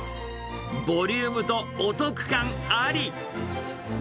ボリュームとお得感あり。